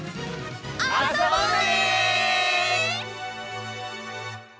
あそぼうね！